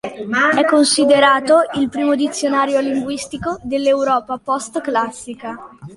È considerato il primo dizionario linguistico dell'Europa post-classica.